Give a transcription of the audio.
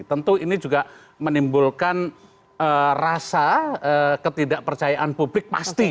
tentu ini juga menimbulkan rasa ketidakpercayaan publik pasti